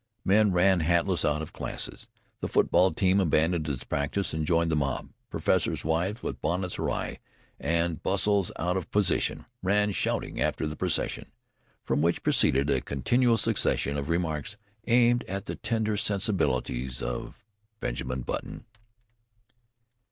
Men ran hatless out of classes, the football team abandoned its practice and joined the mob, professors' wives with bonnets awry and bustles out of position, ran shouting after the procession, from which proceeded a continual succession of remarks aimed at the tender sensibilities of Benjamin Button.